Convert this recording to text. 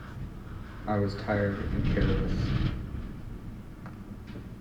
I was tired and careless.